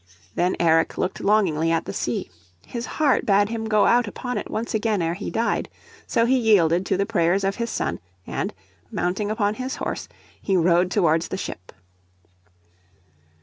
Then Eric looked longingly at the sea. His heart bade him go out upon it once again ere he died. So he yielded to the prayers of his son and, mounting upon his horse, he rode towards the ship.